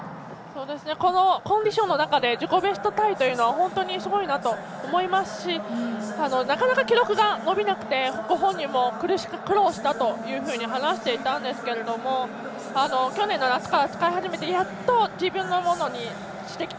このコンディションの中で自己ベストタイというのは本当にすごいなと思いますしなかなか記録が伸びなくて本人も苦労したと話していたんですけれども去年の夏から使い始めてやっと自分のものにしてきた。